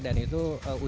dan itu bergantung